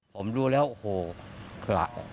ผมดูแล้วโอ้โหขละ